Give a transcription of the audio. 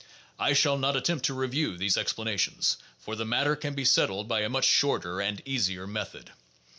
I shall not attempt to review those explanations ; for the matter can be settled by a much shorter and easier method.